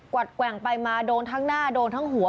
วัดแกว่งไปมาโดนทั้งหน้าโดนทั้งหัว